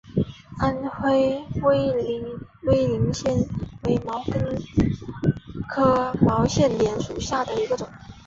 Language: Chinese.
安徽威灵仙为毛茛科铁线莲属下的一个种。